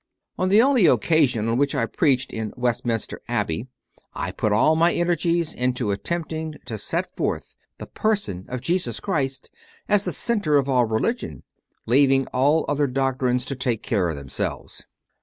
On the only occasion on which I preached in West minster Abbey I put all my energies into attempting to set forth the Person of Jesus Christ as the centre of all religion, leaving all other doctrines to take care of themselves.